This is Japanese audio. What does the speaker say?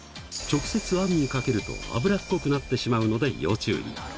直接あんにかけると油っこくなってしまうので要注意。